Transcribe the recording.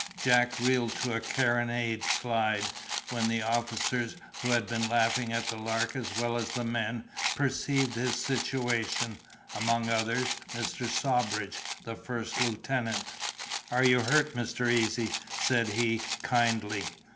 Jack reeled to a carronade slide, when the officers, who had been laughing at the lark as well as the men, perceived his situation—among others, Mr. Sawbridge, the first lieutenant. "Are you hurt, Mr. Easy?" said he, kindly.